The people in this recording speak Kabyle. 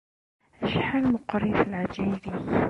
Acḥal meqqrit leɛǧayeb-ik!